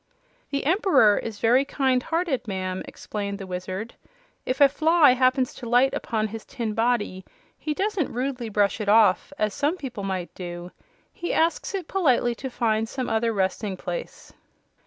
"The Emperor is very kind hearted, ma'am," explained the Wizard. "If a fly happens to light upon his tin body he doesn't rudely brush it off, as some people might do; he asks it politely to find some other resting place."